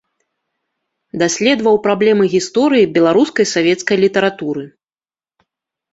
Даследаваў праблемы гісторыі беларускай савецкай літаратуры.